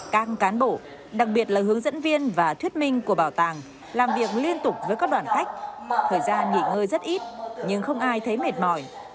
càng cán bộ đặc biệt là hướng dẫn viên và thuyết minh của bảo tàng làm việc liên tục với các đoàn khách thời gian nghỉ ngơi rất ít nhưng không ai thấy mệt mỏi